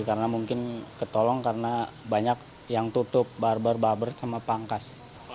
karena mungkin ketolong karena banyak yang tutup barber barber sama pangkas